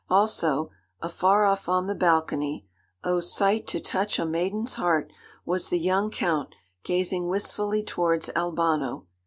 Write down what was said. Also, afar off on the balcony oh, sight to touch a maiden's heart! was the young count gazing wistfully towards Albano.